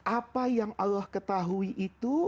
apa yang allah ketahui itu